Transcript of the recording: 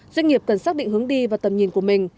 doanh nghiệp cần xác định hướng đi và tầm nhìn của mình